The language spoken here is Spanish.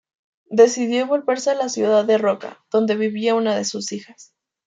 Decidió volverse a la ciudad de Roca, donde vivía una de sus hijas.